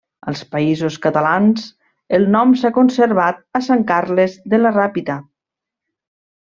Als Països Catalans, el nom s'ha conservat a Sant Carles de la Ràpita.